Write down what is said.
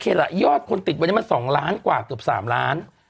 ยอดคนติดวันนี้มัน๒ล้านกว่าเกือบ๓ล้าน